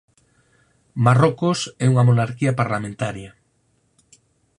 Marrocos é unha monarquía parlamentaria.